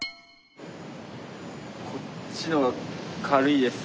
こっちの方が軽いです。